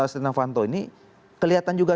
srinavanto ini kelihatan juga